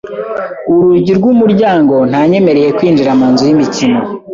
Urugi rw'umuryango ntanyemereye kwinjira mu nzu y'imikino.